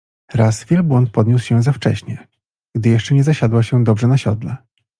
Raz wielbłąd podniósł się za wcześnie, gdy jeszcze nie zasiadła się dobrze na siodle.